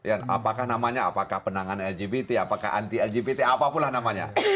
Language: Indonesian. apakah namanya apakah penanganan lgbt apakah anti lgbt apapun lah namanya